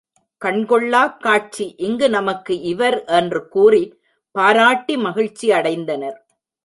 கண் கொள்ளாக் காட்சி இங்கு நமக்கு இவர் என்று கூறிப் பாராட்டி மகிழ்ச்சி அடைந்தனர்.